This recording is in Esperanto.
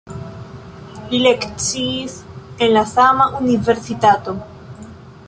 Li lekciis en la sama universitato.